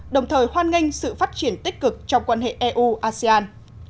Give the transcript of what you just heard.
đồng thời hoan nghênh sự phát triển tích cực trong quan hệ eu asean